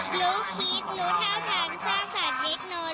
ก็จะมีการพิพากษ์ก่อนก็มีเอ็กซ์สุขก่อน